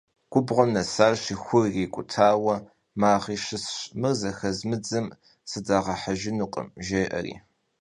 Gubğuem nesaşi xur yirik'utaue mağri şısş «mır zexezmıdzım sıdağehejjınukhım» jjê'eri.